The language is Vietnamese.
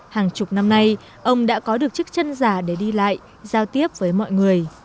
hàng chục năm nay ông đã có được chiếc chân giả để đi lại giao tiếp với mọi người